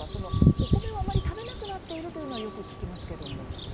お米をあまり食べなくなっているというのはよく聞きますけれども。